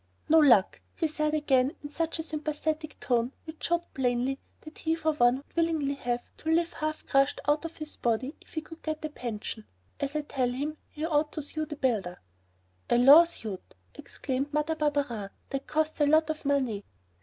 "No luck!" he said again in such a sympathetic tone, which showed plainly that he for one would willingly have the life half crushed out of his body if he could get a pension. "As I tell him, he ought to sue that builder." "A lawsuit," exclaimed Mother Barberin, "that costs a lot of money."